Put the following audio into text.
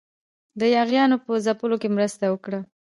د یاغیانو په ځپلو کې مرسته وکړي.